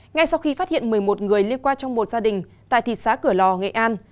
ngay sau khi phát hiện một mươi một người liên quan trong một gia đình tại thị xã cửa lò nghệ an